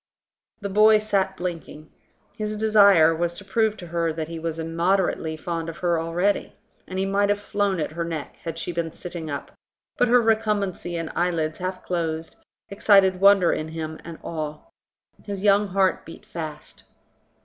The boy sat blinking. His desire was to prove to her that lie was immoderately fond of her already; and he might have flown at her neck had she been sitting up, but her recumbency and eyelids half closed excited wonder in him and awe. His young heart beat fast.